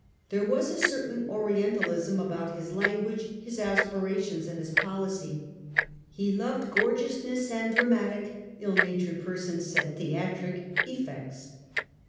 There was a certain Orientalism about his language, his aspirations and his policy. He loved gorgeousness and dramatic — ill natured persons said theatric — effects.